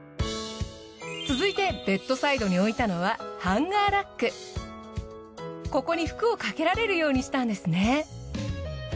続いてベッドサイドに置いたのはここに服を掛けられるようにしたんですね。